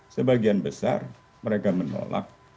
sebagian besar mereka menolak